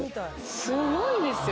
すごいですよ。